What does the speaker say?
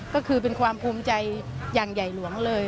ก็คือเป็นความภูมิใจอย่างใหญ่หลวงเลย